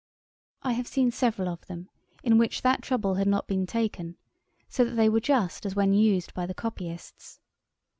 I have seen several of them, in which that trouble had not been taken; so that they were just as when used by the copyists.